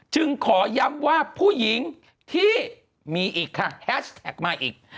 จึงขอย้ำว่าผู้หญิงที่มีอีกค่ะแฮชแท็กมาอีก